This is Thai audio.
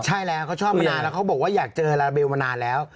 ใช่แล้วเขาชอบมานานแล้วเขาบอกว่าอยากเจอลาลาเบลมานานแล้ว